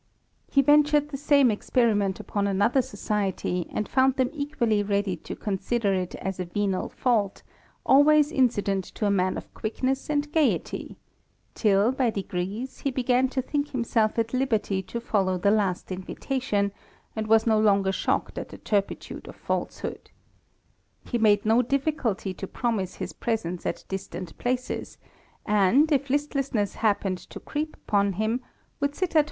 He ventured the same experiment upon another society, and found them equally ready to consider it as a venal fault, always incident to a man of quickness and gaiety ; till, by degrees, he began to think himself at liberty to follow the last invitation, and was no longer shocked at the turpitude of falsehood. He made no difficulty to promise his presence at distant places ; and, if listlessness happened to creep upon him, would sit at 200 THE RAMBLER.